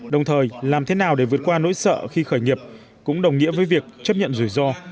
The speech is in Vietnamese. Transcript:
đồng thời làm thế nào để vượt qua nỗi sợ khi khởi nghiệp cũng đồng nghĩa với việc chấp nhận rủi ro